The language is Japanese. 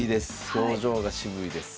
表情が渋いです。